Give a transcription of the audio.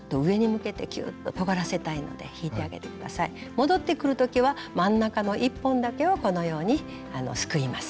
戻ってくる時は真ん中の１本だけをこのようにすくいます。